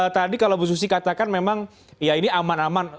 tadi kalau bu susi katakan memang ya ini aman aman